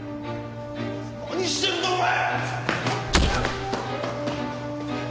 何してるんだお前！